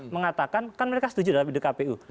mengatakan kan mereka setuju dalam ide kpu